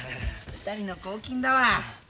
２人の公金だわ。